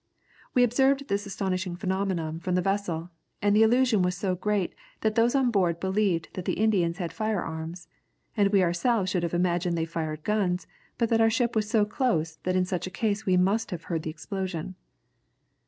We observed this astonishing phenomenon from the vessel, and the illusion was so great that those on board believed the Indians had fire arms, and we ourselves should have imagined they fired guns, but that our ship was so close that in such a case we must have heard the explosion."